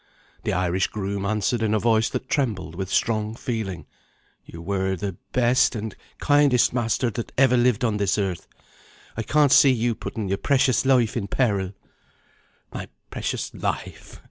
The Irish groom answered in a voice that trembled with strong feeling. "You were the best and kindest master that ever lived on this earth. I can't see you putting your precious life in peril" "My precious life?"